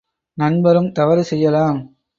நண்பரும் தவறு செய்யலாம்.